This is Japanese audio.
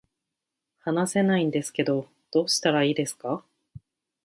話せないんですけどどうしたらいいですか